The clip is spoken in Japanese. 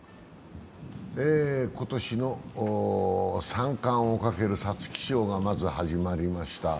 今年の３冠をかける皐月賞がまず始まりました。